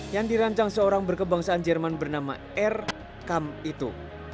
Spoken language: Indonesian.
yang dirancang seorang berkebangsaan jerman bernama r kamm itu